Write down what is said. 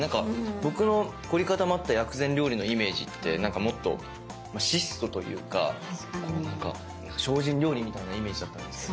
僕の凝り固まった薬膳料理のイメージってもっと質素というか精進料理みたいなイメージだったんですけど。